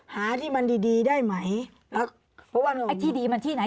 หาที่มันดีดีได้ไหมเพราะว่าไอ้ที่ดีมันที่ไหน